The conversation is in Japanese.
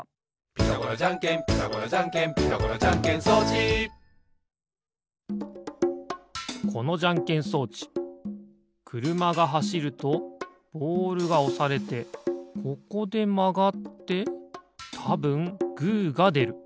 「ピタゴラじゃんけんピタゴラじゃんけん」「ピタゴラじゃんけん装置」このじゃんけん装置くるまがはしるとボールがおされてここでまがってたぶんグーがでる。